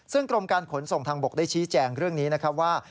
ซึ่งกรมการขนส่งทางบกได้ชี้แจงเรื่องนี้นะครับว่า